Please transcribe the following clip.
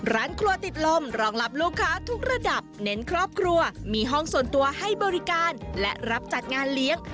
ร้านครัวติดลมรองรับลูกค้าทุกระดับเน้นครอบครัวมีห้องส่วนตัวให้บริการและรับจัดงานเลี้ยง